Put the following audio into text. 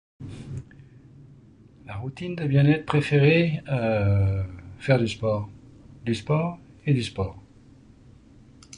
Ma routine de bien-être préférée? Euh... Faire du sport, du sport et du sport.